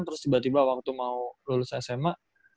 terus tiba tiba waktu mau lulus sma